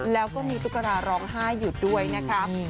แล้วก็มีตุ๊กตาร้องไห้อยู่ด้วยนะครับ